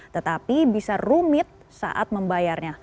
tetapi bisa rumit saat membayarnya